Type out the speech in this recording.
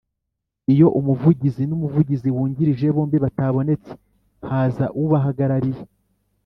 Iyo umuvugizi n’umuvugizi wungirije bombi batabonetse haza ubahagarariye